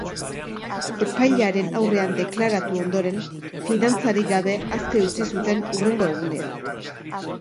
Epailearen aurrean deklaratu ondoren, fidantzarik gabe aske utzi zuten hurrengo egunean.